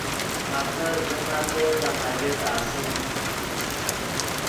آخر زو نتو دے حاجت آسیم